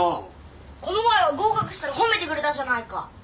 この前は合格したら褒めてくれたじゃないか